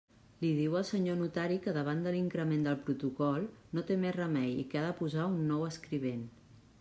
Li diu el senyor notari que davant de l'increment del protocol no té més remei i que ha de posar un nou escrivent.